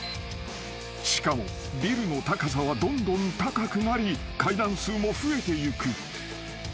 ［しかもビルの高さはどんどん高くなり階段数も増えていく］